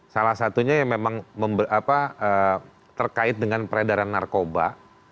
salah satunya yang memang terkait dengan peredaran narkoba